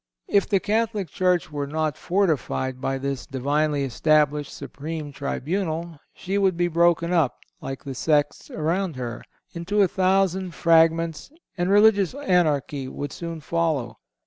If the Catholic Church were not fortified by this Divinely established supreme tribunal, she would be broken up, like the sects around her, into a thousand fragments and religious anarchy would soon follow.